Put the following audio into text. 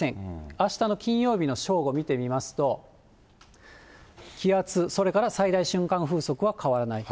あしたの金曜日の正午見てみますと、気圧、それから最大瞬間風速は変わらないと。